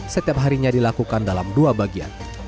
setiap harinya dilakukan dalam dua bagian